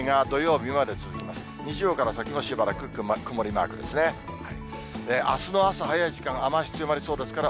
日曜から先もしばらく曇りマークですね。